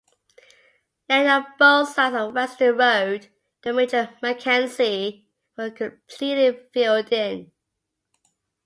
Land on both sides of Weston Road to Major Mackenzie were completely filled in.